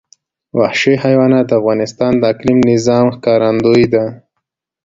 وحشي حیوانات د افغانستان د اقلیمي نظام ښکارندوی ده.